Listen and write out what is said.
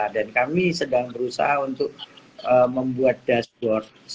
dan kami sedang berusaha untuk membuat dashboard